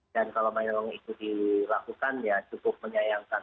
dan kalau memang itu dilakukan ya cukup menyayangkan